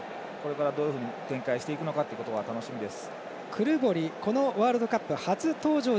これからどういうふうに展開していくのか楽しみです。